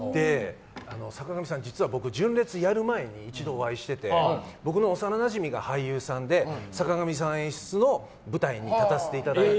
坂上さん、実は僕純烈をやる前に一度お会いしていて僕の幼なじみが俳優さんで坂上さん演出の舞台に立たせていただいて。